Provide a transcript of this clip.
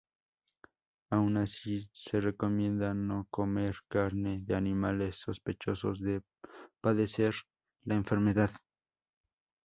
Aun así, se recomienda no comer carne de animales sospechosos de padecer la enfermedad.